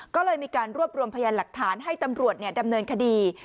ก็เลยมีการรวบรวมพยานหลักฐานให้ตำรวจดำเนินคดี